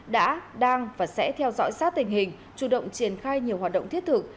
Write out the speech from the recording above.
đã đang và sẽ theo dõi sát tình hình chủ động triển khai nhiều hoạt động thiết thực